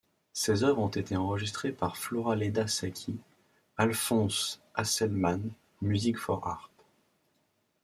Ses œuvres ont été enregistrés par Floraleda Sacchi: Alphonse Hasselmans: Music For Harp.